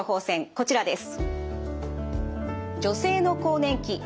こちらです。